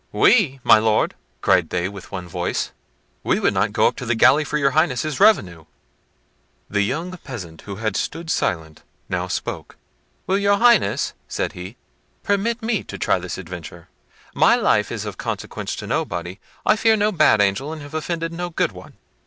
"We! my Lord!" cried they with one voice; "we would not go up to the gallery for your Highness's revenue." The young peasant, who had stood silent, now spoke. "Will your Highness," said he, "permit me to try this adventure? My life is of consequence to nobody; I fear no bad angel, and have offended no good one."